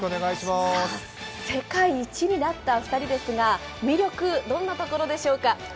世界１位になった２人ですが、魅力はどんなところでしょうか。